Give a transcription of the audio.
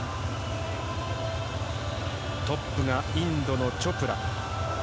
トップがインドのチョプラ。